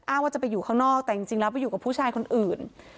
ว่าจะไปอยู่ข้างนอกแต่จริงแล้วไปอยู่กับผู้ชายคนอื่น